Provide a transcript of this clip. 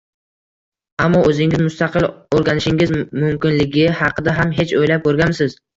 Ammo o’zingiz mustaqil o’rganishingiz mumkinligi haqida ham hech o’ylab ko’rganmisiz